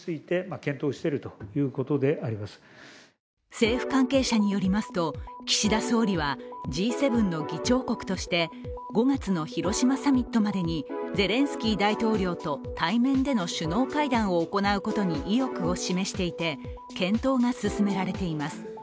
政府関係者によりますと岸田総理はＧ７の議長国として５月の広島サミットまでにゼレンスキー大統領と対面での首脳会談を行うことに意欲を示していて、検討が進められています。